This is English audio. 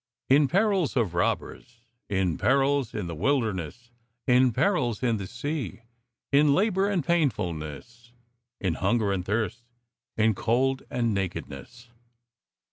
" In perils of robbers, in perils in the wilder ness, in perils in the sea ... in labour and painfulness, in hunger and thirst, in cold and nakedness."